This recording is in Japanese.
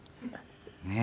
ねえ。